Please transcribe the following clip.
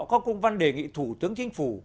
có công văn đề nghị thủ tướng chính phủ